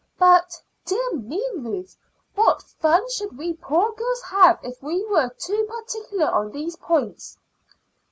But, dear me, Ruth! what fun should we poor girls have if we were too particular on these points?"